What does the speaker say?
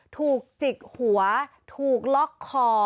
ถูกจิกหัวถูกล็อกคอ